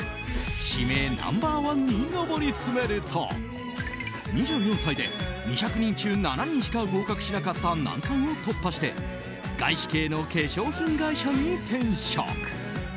指名ナンバー１に登りつめると２４歳で２００人中７人しか合格しなかった難関を突破して外資系の化粧品会社に転職。